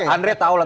andre tahu lah